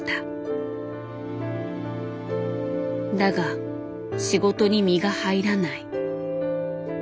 だが仕事に身が入らない。